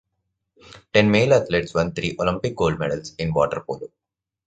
Ten male athletes won three Olympic gold medals in water polo.